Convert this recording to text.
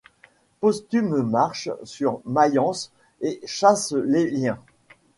Postume marche sur Mayence et chasse Lélien.